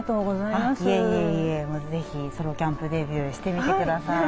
いえいえいえ是非ソロキャンプデビューしてみてください。